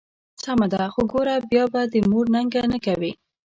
سمه ده، خو ګوره بیا به د مور ننګه نه کوې.